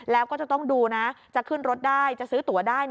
แล้วก็จะต้องดูนะจะขึ้นรถได้จะซื้อตัวได้